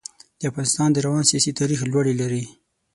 د افغانستان د روان سیاسي تاریخ لوړې لري.